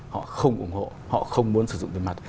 họ không ủng hộ họ không muốn sử dụng tiền mặt